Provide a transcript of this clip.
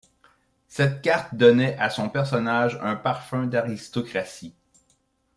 Cette carte donnait à son personnage un parfum d’aristocratie.